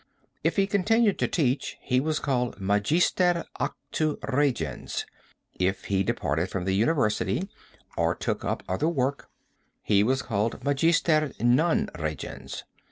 If he continued to teach he was called magisier actu regens; if he departed from the university or took up other work, he was called magister non regens.